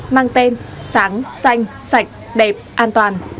mang tên sáng xanh sạch đẹp an toàn